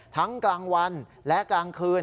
กลางวันและกลางคืน